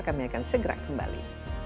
kami akan segera kembali